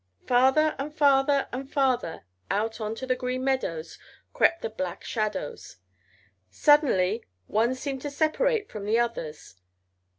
Farther and farther and farther out onto the Green Meadows crept the black shadows. Suddenly one seemed to separate from the others.